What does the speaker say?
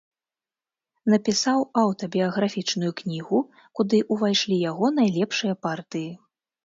Напісаў аўтабіяграфічную кнігу, куды ўвайшлі яго найлепшыя партыі.